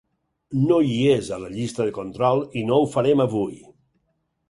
No hi és a la llista de control i no ho farem avui.